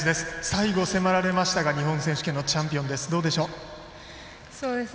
最後、迫られましたが日本選手権のチャンピオンです。